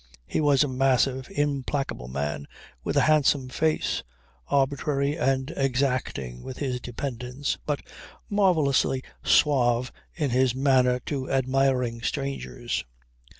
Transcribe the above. He was a massive, implacable man with a handsome face, arbitrary and exacting with his dependants, but marvellously suave in his manner to admiring strangers.